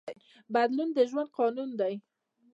بدلون د ژوند قانون دی.